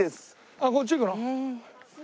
あっこっち行くの？